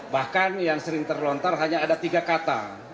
bahkan yang sering terlontar hanya ada tiga kata